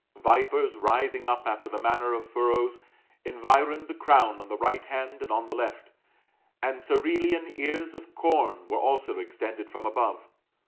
Vipers rising up after the manner of furrows, environed the crown on the right hand and on the left, and Cerealian ears of com were also extended from above.